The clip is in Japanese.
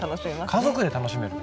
家族で楽しめる。